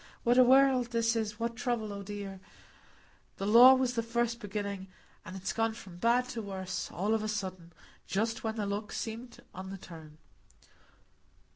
What a world this is,—what trouble, oh dear! The law was the first beginning, and it's gone from bad to worse, all of a sudden, just when the luck seemed on the turn."